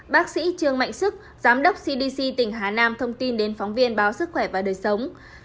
bác sĩ trương mạnh sức giám đốc cdc tỉnh hà nam thông tin đến phóng viên báo sức khỏe và đời sống